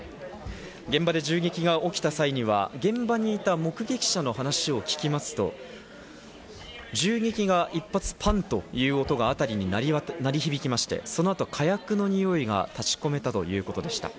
現場で銃撃が起きた際には、現場にいた目撃者の話を聞きますと、銃撃が一発、パンという音が辺りに鳴り響きまして、その後、火薬のにおいが立ち込めたということでした。